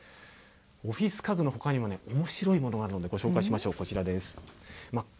オフィス家具のほかにもおもしろいものがあるので、ご紹介しましょう、こちらです。